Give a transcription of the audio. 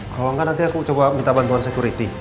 kalau enggak nanti aku coba minta bantuan security